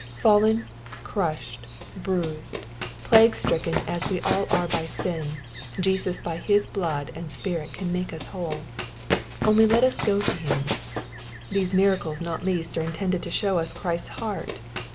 Fallen, crushed, bruised^ plague stricken as we all are by sin, Jesus by His blood and Spirit can make us whole. Only let us go to Him. These miracles not least are intended to show us Christ's heart.